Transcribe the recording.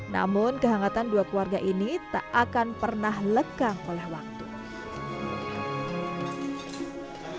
namun kehangatan dua keluarga ini tak akan pernah lekang oleh waktu